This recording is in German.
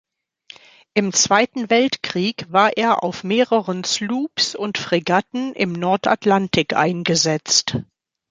Im Zweiten Weltkrieg war er auf mehreren Sloops und Fregatten im Nordatlantik eingesetzt.